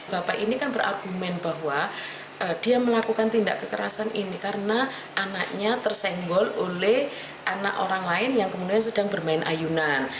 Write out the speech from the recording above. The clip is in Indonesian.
bapak ini kan berargumen bahwa dia melakukan tindak kekerasan ini karena anaknya tersenggol oleh anak orang lain yang kemudian sedang bermain ayunan